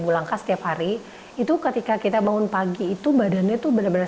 bu langka setiap hari itu ketika kita bangun pagi itu badannya tuh bener bener